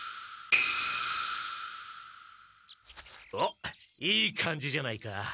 おっいい感じじゃないか。